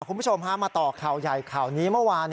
คุณผู้ชมพามาต่อข่าวใหญ่ข่าวนี้เมื่อวาน